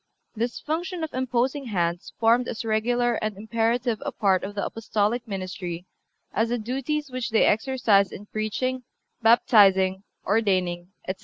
This function of imposing hands formed as regular and imperative a part of the Apostolic ministry as the duties which they exercised in preaching, baptizing, ordaining, etc.